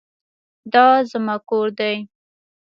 دا زما کور دی.